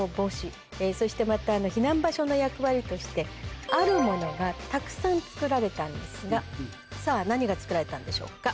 火災の。の役割としてあるものがたくさん造られたんですがさぁ何が造られたんでしょうか？